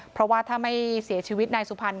เพราะว่าถ้าไม่เสียชีวิตนายสุพรรณ